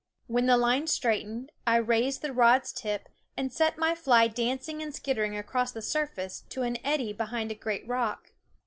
When the line straightened I raised the rod's tip and set my fly dancing and skittering across the surface to an eddy behind a great rock.